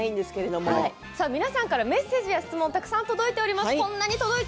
皆さんからメッセージや質問、たくさん届いています。